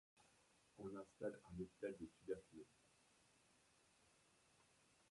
On y installe un hôpital de tuberculeux.